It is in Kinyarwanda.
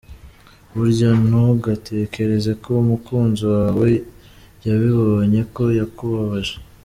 Burya ntugatekereze ko umukunzi wawe yabibonye ko yakubabaje.